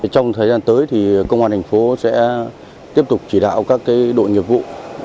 trong thời gian tới công an hình phố sẽ tiếp tục chỉ đạo các đội nghiệp vụ